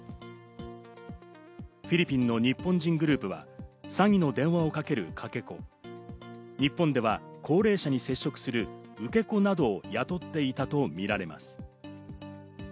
フィリピンの日本人グループは詐欺の電話をかける、かけ子、日本では高齢者に接触する受け子などを雇っていたとみられます。